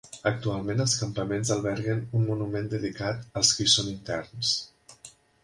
Actualment els campaments alberguen un monument dedicat als que hi són interns.